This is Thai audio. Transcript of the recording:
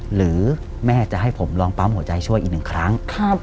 หรือแม่จะให้ผมลองปั๊มหัวใจช่วยอีกหนึ่งครั้ง